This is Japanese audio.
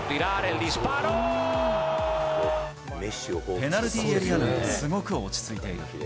ペナルティーエリア内ですごく落ち着いている。